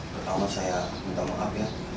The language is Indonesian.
pertama saya minta maaf ya